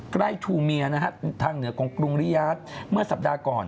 ใกล้ธูเมียนะครับทางเหนือกรุงริยาศเมื่อสัปดาห์ก่อน